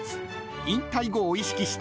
［引退後を意識した］